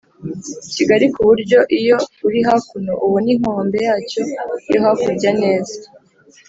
kigari ku buryo iyo uri hakuno ubona inkombe yacyo yo hakurya neza.